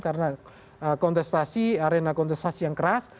karena kontestasi arena kontestasi yang keras